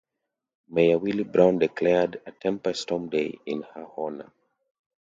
Mayor Willie Brown declared a "Tempest Storm Day" in her honor.